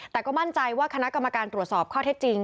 แต่ก็มั่นใจว่าคณะกรรมการตรวจสอบข้อเท็จจริง